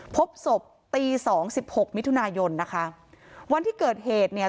พบศพตีสองสิบหกมิถุนายนนะคะวันที่เกิดเหตุเนี่ย